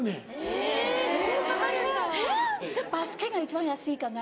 えっ⁉バスケが一番安いかな？